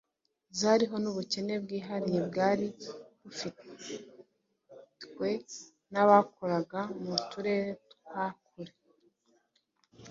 zariho n’ubukene bwihariye bwari bufitwe n’abakoreraga mu turere twa kure,